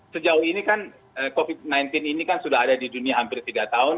sejauh ini kan covid sembilan belas ini kan sudah ada di dunia hampir tiga tahun